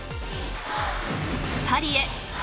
［パリへ！